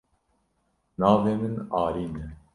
Navê min Arîn e.